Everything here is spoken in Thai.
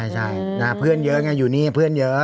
ใช่เพื่อนเยอะไงอยู่นี่เพื่อนเยอะ